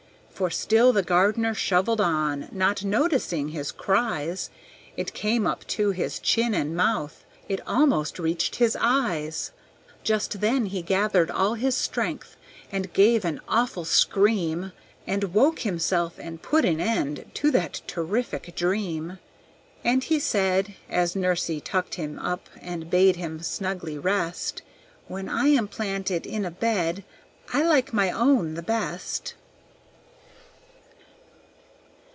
For still the gardener shovelled on, not noticing his cries; It came up to his chin and mouth it almost reached his eyes; Just then he gathered all his strength and gave an awful scream, And woke himself, and put an end to that terrific dream. And he said, as Nursey tucked him up and bade him snugly rest, "When I am planted in a bed, I like my own the best."